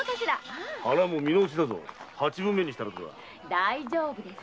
大丈夫です。